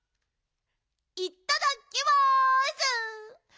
いっただきます！